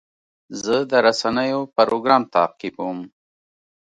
زه د رسنیو پروګرام تعقیبوم.